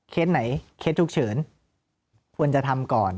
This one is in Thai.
เคล็ดไหนเคล็ดถูกเฉินควรจะทำก่อน